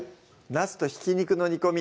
「なすと挽き肉の煮込み」